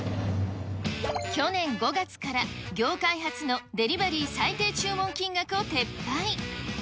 去年５月から業界初のデリバリー最低注文金額を撤廃。